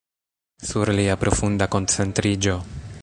Sur lia profunda koncentriĝo.